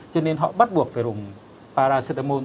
cho nên họ bắt buộc phải dùng paracetamol